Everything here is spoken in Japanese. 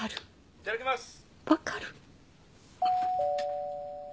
いただきます。